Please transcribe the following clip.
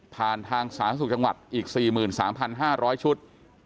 ผ่านทางสหรัฐสูตรจังหวัดอีก๔๓๕๐๐ชุด